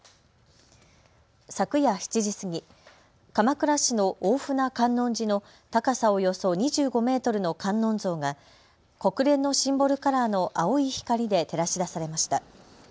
昨夜７時過ぎ、鎌倉市の大船観音寺の高さおよそ２５メートルの観音像が国連のシンボルカラーの青い光で照らし出されました。